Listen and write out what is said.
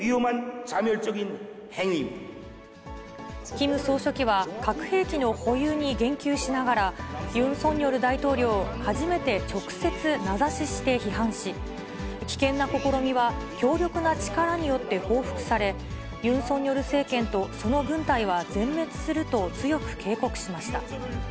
キム総書記は、核兵器の保有に言及しながら、ユン・ソンニョル大統領を初めて直接、名指しして批判し、危険な試みは、強力な力によって報復され、ユン・ソンニョル政権とその軍隊は全滅すると強く警告しました。